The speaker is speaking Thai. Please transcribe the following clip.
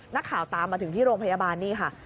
นักข่าวตามมาถึงที่โรงพยาบาลนี่ค่ะ